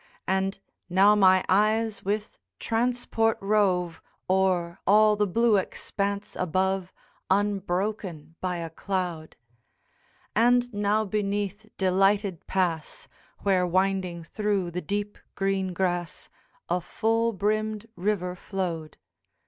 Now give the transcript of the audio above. And now my eyes with transport rove O'er all the blue expanse above, Unbroken by a cloud! And now beneath delighted pass, Where winding through the deep green grass A full brimmed river flowed.